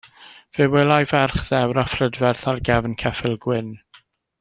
Fe welai ferch ddewr a phrydferth ar gefn ceffyl gwyn.